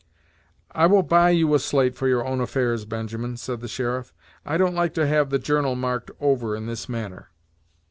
"I will buy you a slate for your own affairs, Benjamin," said the sheriff; "I don't like to have the journal marked over in this manner."